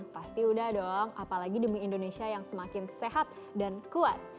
pasti udah dong apalagi demi indonesia yang semakin sehat dan kuat